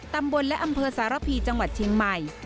ตำบลและอำเภอสารพีจังหวัดเชียงใหม่